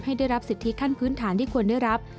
ได้รับสิทธิขั้นพื้นฐานที่ควรได้รับ